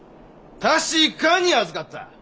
確かに預かった！